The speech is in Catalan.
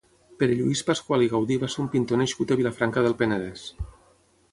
Pere Lluís Pasqual i Gaudí va ser un pintor nascut a Vilafranca del Penedès.